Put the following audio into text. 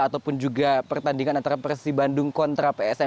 ataupun juga pertandingan antara persija bandung kontra psb